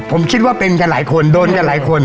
ผมคิดว่าเป็นกันหลายคนโดนกันหลายคน